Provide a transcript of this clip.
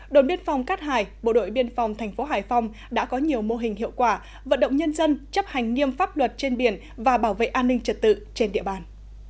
đồn biên phòng cát hải bộ đội biên phòng thành phố hải phòng đã có nhiều mô hình hiệu quả vận động nhân dân chấp hành nghiêm pháp luật trên biển và bảo vệ an ninh trật tự trên địa bàn